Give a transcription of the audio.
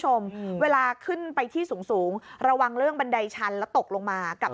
เวลาขึ้นไปที่สูงสูงระวังเรื่องบันไดชันแล้วตกลงมากับ